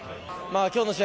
今日の試合